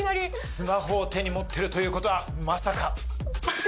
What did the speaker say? スマホを手に持ってるということはまさか。